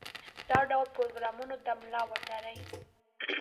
دا ډول پروګرامونو ته ملا وتړي.